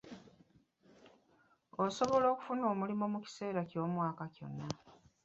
Osobola okufuna omulimu mu kiseera ky'omwaka kyonna